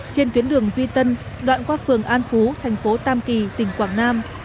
trên tuyến đường duy tân đoạn qua phường an phú thành phố tam kỳ tỉnh quảng nam